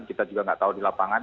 kita juga nggak tahu di lapangan